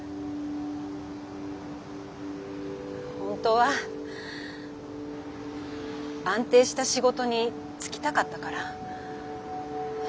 本当は安定した仕事に就きたかったから。